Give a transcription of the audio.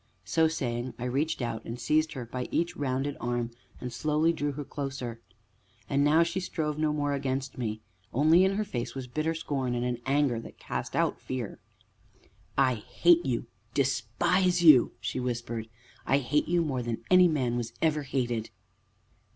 So saying, I reached out, and seized her by each rounded arm, and slowly drew her closer. And now she strove no more against me, only in her face was bitter scorn, and an anger that cast out fear. "I hate you despise you!" she whispered. "I hate you more than any man was ever hated!"